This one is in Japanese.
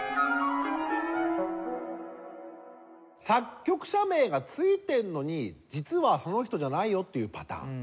作曲者名がついてるのに実はその人じゃないよっていうパターン。